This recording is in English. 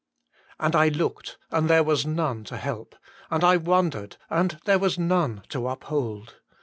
And I looked, and there was none to help ; and I wondered, and there was none to uphold.